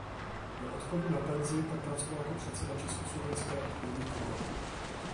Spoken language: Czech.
Do odchodu na penzi pak pracoval jako předseda Československé obchodní komory.